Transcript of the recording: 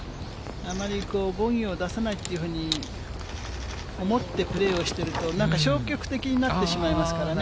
あまりボギーを出さないっていうふうに思ってプレーをしていると、なんか消極的になってしまいますからね。